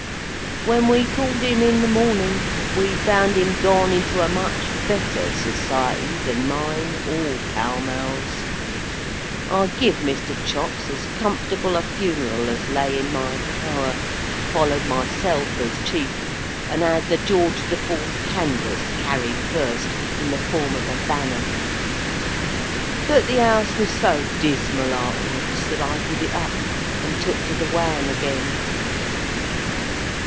When we called him in the morning, we found him gone into a much better Society than mine or Pall Mall's. I giv Mr. Chops as comfortable a funeral as lay in my power, followed myself as Chief, and had the George the Fourth canvass carried first, in the form of a banner. But, the House was so dismal arterwards, that I giv it up, and took to the Wan again.